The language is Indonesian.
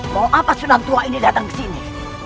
mau apa senantua ini datang ke sini